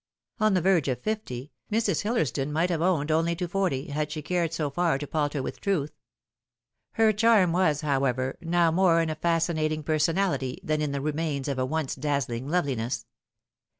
On the verge of fifty, Mrs. Hillersdon might have owned only to forty, had she cared so far to palter with truth. Her charm was, however, now more in a fascinating personality than in the remains of a once dazzling loveliness.